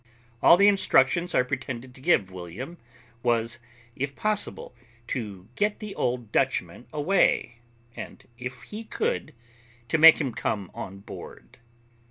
All the instructions I pretended to give William was, if possible, to get the old Dutchman away, and, if he could, to make him come on board.